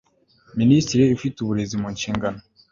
minisitiri ufite uburezi mu nshingano